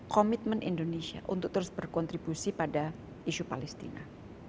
komitmen indonesia untuk terus berkontribusi pada isu palestina